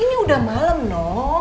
ini udah malem noh